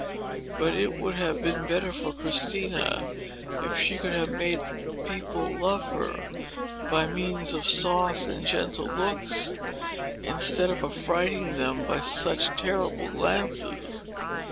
But it would have been better for Christina if she could have made people love her, by means of soft and gentle looks, instead of affrighting them by such terrible glances.